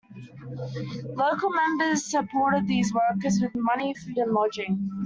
Local members supported these workers with money, food, and lodging.